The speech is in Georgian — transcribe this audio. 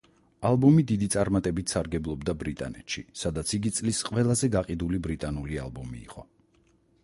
ალბომი დიდი წარმატებით სარგებლობდა ბრიტანეთში, სადაც იგი წლის ყველაზე გაყიდული ბრიტანული ალბომი იყო.